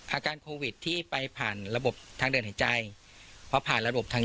อาการโควิดที่ไปผ่านระบบทางเดินหายใจเพราะผ่านระบบทาง